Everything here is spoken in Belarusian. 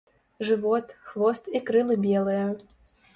Жывот, хвост і крылы белыя.